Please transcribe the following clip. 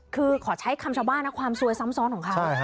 คือขอใช้คำชาวบ้านนะความซวยซ้ำซ้อนของเขา